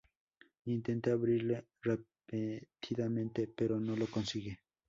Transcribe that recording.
Intenta abrirla repetidamente, pero no lo consigue.